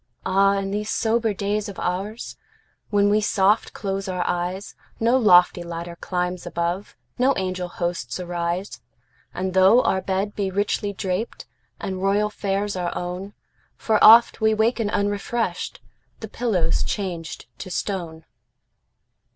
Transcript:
Ah, in these sober days of oursWhen we soft close our eyes, No lofty ladder climbs above, No angel hosts arise. And tho our bed be richly drapedAnd royal fares our own, For oft we waken unrefreshed—The pillow's changed to stone!